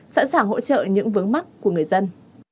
sẵn sàng hỗ trợ những vướng mắt của người dân